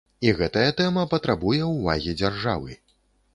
І гэтая тэма патрабуе ўвагі дзяржавы.